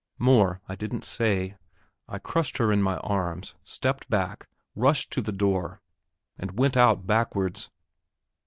More I didn't say. I crushed her in my arms, stepped back, rushed to the door, and went out backwards.